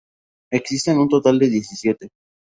Existen un total de diecisiete.